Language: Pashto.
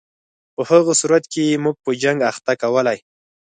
په هغه صورت کې یې موږ په جنګ اخته کولای.